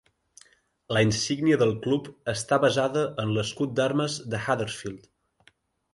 La insígnia del club està basada en l'escut d'armes de Huddersfield.